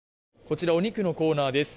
こちらお肉のコーナーです。